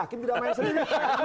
hakim tidak main sendiri